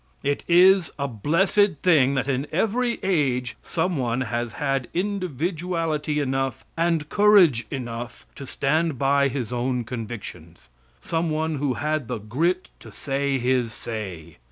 It is a blessed thing that in every age some one has had individuality enough and courage enough to stand by his own convictions; some one who had the grit to say his say.